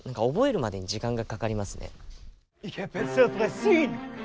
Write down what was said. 覚えるまでに時間がかかりますね。